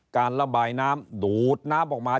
การระบายน้ำดูดน้ำออกมา